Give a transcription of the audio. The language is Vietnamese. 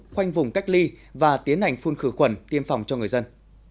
khoanh vùng cách ly và tiến hành phun khử khuẩn tiêm phòng cho người dân